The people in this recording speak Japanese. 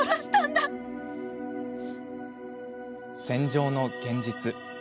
戦場の現実。